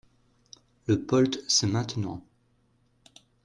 Le POLT, c’est maintenant